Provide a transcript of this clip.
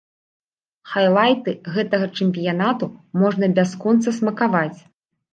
Хайлайты гэтага чэмпіянату можна бясконца смакаваць.